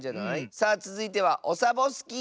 さあつづいてはオサボスキー。